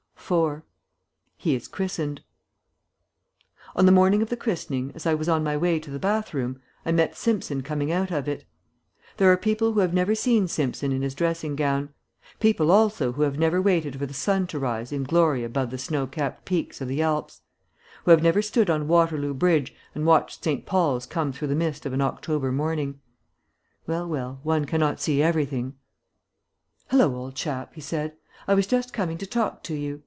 IV. HE IS CHRISTENED On the morning of the christening, as I was on my way to the bathroom, I met Simpson coming out of it. There are people who have never seen Simpson in his dressing gown; people also who have never waited for the sun to rise in glory above the snow capped peaks of the Alps; who have never stood on Waterloo Bridge and watched St. Paul's come through the mist of an October morning. Well, well, one cannot see everything. "Hallo, old chap!" he said. "I was just coming to talk to you.